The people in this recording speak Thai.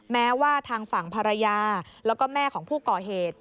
แม้ว่าทางฝั่งภรรยาแล้วก็แม่ของผู้ก่อเหตุ